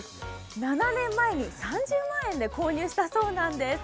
７年前に３０万円で購入したそうなんです。